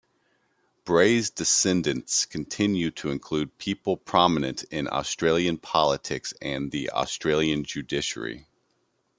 Bray's descendants continue to include people prominent in Australian politics and the Australian judiciary.